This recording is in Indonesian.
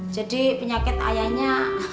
jadi penyakit ayahnya